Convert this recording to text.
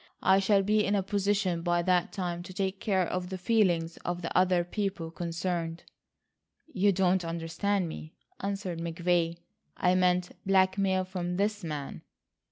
I shall be in a position by that time to take care of the feelings of the other people concerned." "You don't understand me," answered McVay; "I meant blackmail from this man."